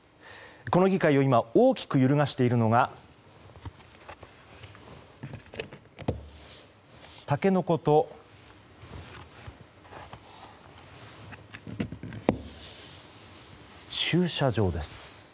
この議会を今、大きく揺るがしているのがタケノコと駐車場です。